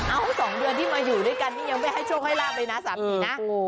๒เดือนที่มาอยู่ด้วยกันนี่ยังไม่ให้โชคให้ลาบเลยนะสามีนะ